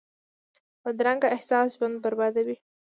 بدرنګه احساس ژوند بربادوي